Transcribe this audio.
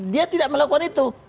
dia tidak melakukan itu